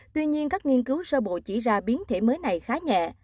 tuy nhiên các nghiên cứu sơ bộ chỉ ra biến thể mới này khá nhẹ